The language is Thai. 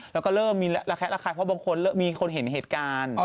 แล้วก็เริ่มมีระแคละคายพอบางคนเห็นเหตุการณ์